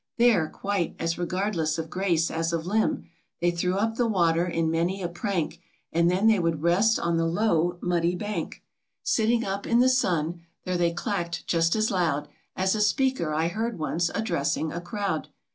There, quite as regardless of grace as of limb, They threw up the water in many a prank, And then they would rest on the low, muddy bank, THE CONCEITED FOWL. 95 Sitting up in the sun. There they clacked just as loud As a speaker I heard once, addressing a crowd.